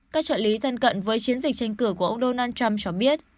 các trợ lý thân cận với chiến dịch tranh cử của ông donald trump cho biết